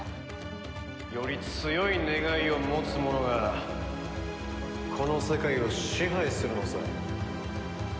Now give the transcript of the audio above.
より強い願いを持つ者がこの世界を支配するのさ。